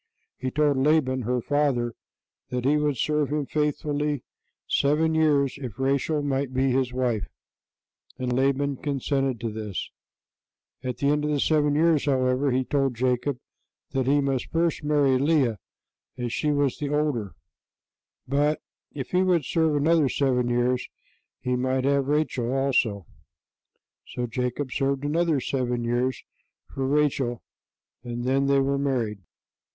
He told Laban, her father, that he would serve him faithfully seven years if Rachel might be his wife, and Laban consented to this; at the end of the seven years, however, he told Jacob that he must first marry Leah, as she was the older, but if he would serve another seven years he might have Rachel also. So Jacob served another seven years for Rachel, and then they were married.